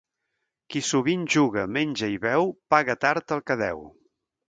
Qui sovint juga, menja i beu paga tard el que deu.